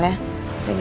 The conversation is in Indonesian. saya ngomong sebentar